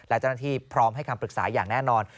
และเจ้าหน้าที่พร้อมให้คำปรึกษาอย่างแน่นอน